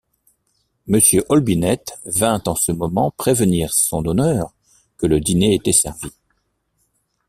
Mr. Olbinett vint en ce moment prévenir Son Honneur que le dîner était servi.